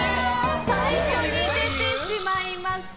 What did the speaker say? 最初に出てしまいました。